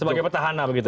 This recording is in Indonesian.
sebagai petahana begitu ya